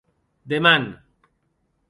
Deman.